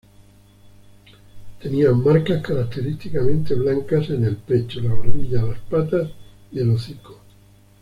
Tenían marcas característicamente blancas en el pecho, la barbilla, las patas, y el hocico.